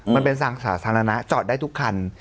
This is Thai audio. มันเป็นทางสาธารณะจอดได้ทุกคัน